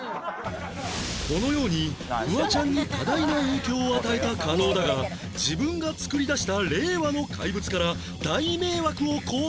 このようにフワちゃんに多大な影響を与えた加納だが自分が作り出した令和の怪物から大迷惑をこうむる日々に